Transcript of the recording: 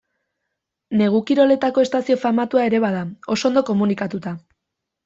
Negu-kiroletako estazio famatua ere bada, oso ondo komunikatuta.